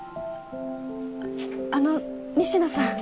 あの仁科さん。